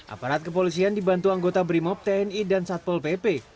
aparat kepolisian dibantu anggota brimob tni dan satpol pp